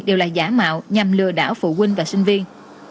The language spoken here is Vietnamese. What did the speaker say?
đều là giả mạo nhằm lừa đảo phụ huynh và sinh viên